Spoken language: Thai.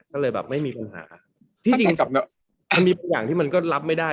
ก็เลยไม่มีปัญหาที่จริงมีอย่างที่มันก็รับไม่ได้